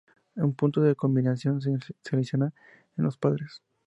Un punto de recombinación se selecciona en los padres.